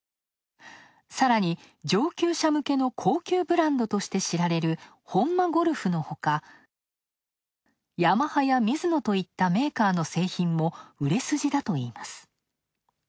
さらに上級者向けの高級ブランドとして知られる本間ゴルフのほか、ヤマハやミズノといったメーカーの製品も売れ筋だといいます。